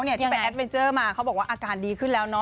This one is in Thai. ที่ไปแอดเมนเจอร์มาเขาบอกว่าอาการดีขึ้นแล้วเนอ